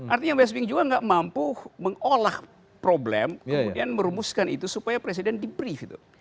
artinya westmin juga nggak mampu mengolah problem kemudian merumuskan itu supaya presiden di brief